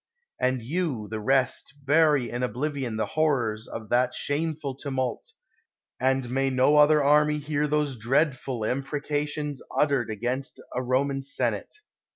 And you, the rest, bury in oblivion the horrors of that shameful tumult ; and may no other army hear those dreadful imprecations uttered against a Roman senate.